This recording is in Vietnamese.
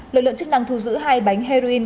lực lượng chức năng thu giữ hai bánh heroin